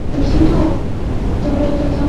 তোমরা কি নিশ্চিত, তোমরা এটাই চাও?